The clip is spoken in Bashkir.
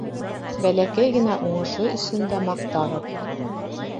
Бәләкәй генә уңышы өсөн дә маҡтағыҙ.